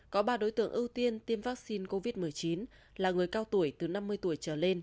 có ba đối tượng ưu tiên tiêm vaccine covid một mươi chín là người cao tuổi từ năm mươi tuổi trở lên